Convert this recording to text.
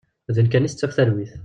Din kan i tettaf talwit.